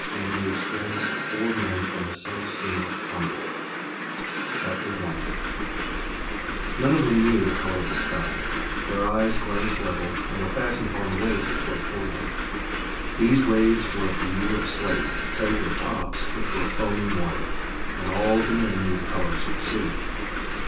Being the experience of four men from the sunk steamer "Commodore" I None of them knew the color of the sky. Their eyes glanced level, and were fastened upon the waves that swept toward them. These waves were of the hue of slate, save for the tops, which were of foaming white, and all of the men knew the colors of the sea.